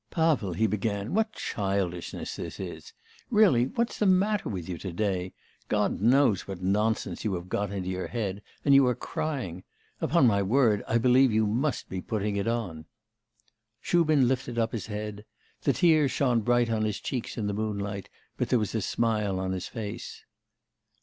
'Pavel,' he began, 'what childishness this is! Really! what's the matter with you to day? God knows what nonsense you have got into your head, and you are crying. Upon my word, I believe you must be putting it on.' Shubin lifted up his head. The tears shone bright on his cheeks in the moonlight, but there was a smile on his face.